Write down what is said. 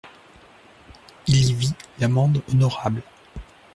Il y vit l'amende honorable.